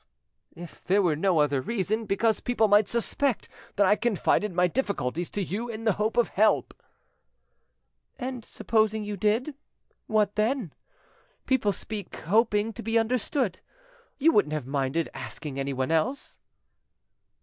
"If there were no other reason, because people might suspect that I confided my difficulties to you in the hope of help." "And supposing you did, what then? People speak hoping to be understood. You wouldn't have minded asking anyone else."